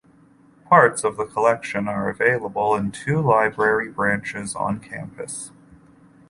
Parts of the collection are available in two library branches on campus.